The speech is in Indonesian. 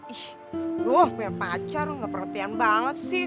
ih loh punya pacar gak perhatian banget sih